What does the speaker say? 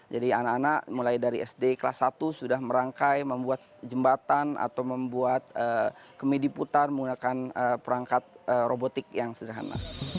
jadi anak anak mulai dari sd kelas satu sudah merangkai membuat jembatan atau membuat kemidi putar menggunakan perangkat robotik yang sederhana